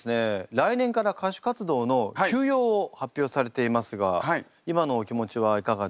来年から歌手活動の休養を発表されていますが今のお気持ちはいかがですか？